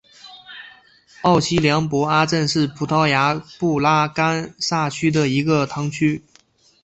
奥西良博阿镇是葡萄牙布拉干萨区的一个堂区。